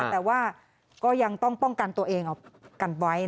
แต่ว่าก็ยังต้องป้องกันตัวเองเอากันไว้